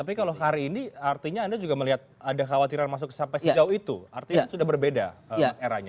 tapi kalau hari ini artinya anda juga melihat ada khawatiran masuk sampai sejauh itu artinya sudah berbeda mas eranya